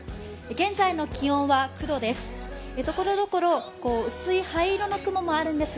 現在の気温は９度です。